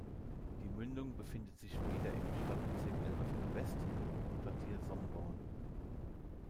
Die Mündung befindet sich wieder im Stadtbezirk Elberfeld-West, im Wohnquartier Sonnborn.